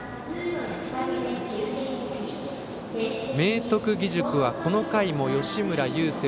明徳義塾は、この回も吉村優聖